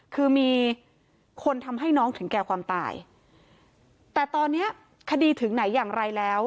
คือมีคนทำให้น้องถึงแก่ความตายแต่ตอนเนี้ยคดีถึงไหนอย่างไรแล้ว